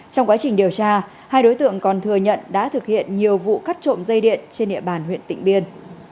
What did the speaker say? trong quá trình điều tra hai đối tượng còn thừa nhận đã thực hiện nhiều vụ cắt trộm dây điện trên địa bàn huyện tịnh biên